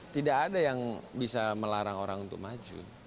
tidak ada yang bisa melarang orang untuk maju